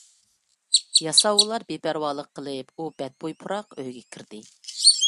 ياساۋۇللار بىپەرۋالىق قىلىپ، ئۇ بەتبۇي پۇراق ئۆيگە كىردى.